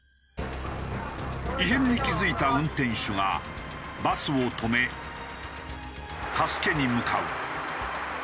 異変に気付いた運転手がバスを止め助けに向かう。